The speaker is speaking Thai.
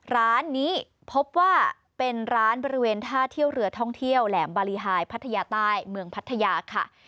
ร้านนี้พบว่าเป็นร้านบริเวณท่าเที่ยวเรือท่องเที่ยวแหลมบารีไฮพัทยาใต้เมืองพัทยาค่ะ